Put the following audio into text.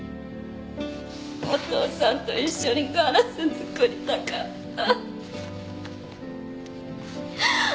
お父さんと一緒にガラス作りたかった！